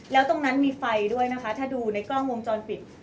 แล้วตรงนั้นมีไฟด้วยนะคะถ้าดูในกล้องวงจรปิด